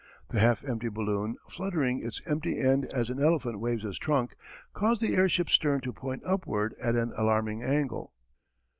The half empty balloon, fluttering its empty end as an elephant waves his trunk, caused the airship's stern to point upward at an alarming angle.